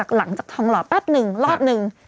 หลังจากทองหล่อแป๊บหนึ่งรอบหนึ่ง